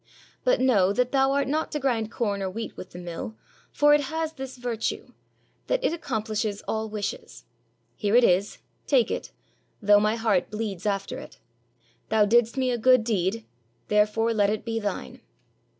But know that thou art not to grind corn or wheat with the mill, for it has this vir tue, — that it accomplishes all wishes. Here it is, take it, though my heart bleeds after it. Thou didst me a good deed, therefore let it be thine."